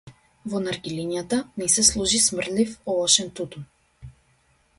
Во наргилињата не се служи смрдлив овошен тутун.